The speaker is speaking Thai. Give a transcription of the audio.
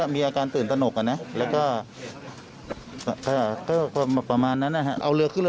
มีลอยเลือดหรือว่าลอยอะไรบนเรือ